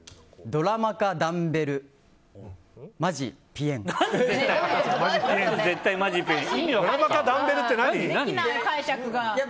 ドラマかダンベルって何？